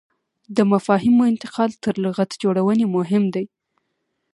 د مفاهیمو انتقال تر لغت جوړونې مهم دی.